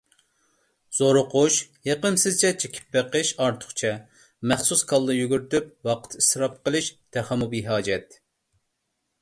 زورۇقۇش، يېقىمسىزچە چېكىپ بېقىش ئارتۇقچە. مەخسۇس كاللا يۈگۈرتۈپ ۋاقىت ئىسراپ قىلىش تېخىمۇ بىھاجەت.